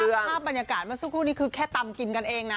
แต่ถ้าภาพบรรยากาศมาสุดคู่นี้คือแค่ตำกินกันเองนะ